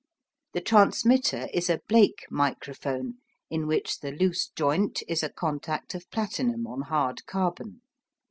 The transmitter is a Blake microphone, in which the loose joint is a contact of platinum on hard carbon.